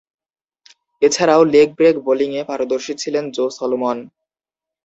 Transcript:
এছাড়াও leg break বোলিংয়ে পারদর্শী ছিলেন জো সলোমন।